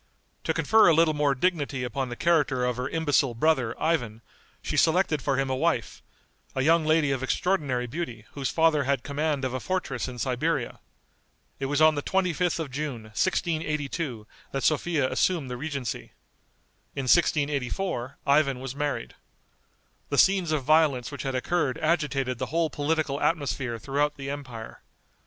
To confer a little more dignity upon the character of her imbecile brother, Ivan, she selected for him a wife, a young lady of extraordinary beauty whose father had command of a fortress in Siberia. It was on the 25th of June, 1682, that Sophia assumed the regency. In 1684 Ivan was married. The scenes of violence which had occurred agitated the whole political atmosphere throughout the empire.